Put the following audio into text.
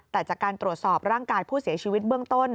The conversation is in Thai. แต่จากการตรวจสอบร่างกายผู้เสียชีวิตเบื้องต้น